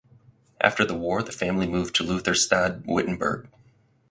After the war the family moved to Lutherstadt Wittenberg.